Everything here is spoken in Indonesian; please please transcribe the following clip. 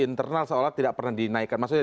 internal seolah tidak pernah dinaikkan maksudnya